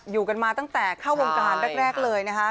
อยู่กันมาตั้งแต่เข้าวงการแรกเลยนะคะ